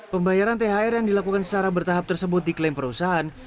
pembayaran thr yang dilakukan secara bertahap tersebut diklaim perusahaan